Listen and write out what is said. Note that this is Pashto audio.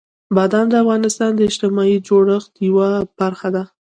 بادام د افغانستان د اجتماعي جوړښت یوه برخه ده.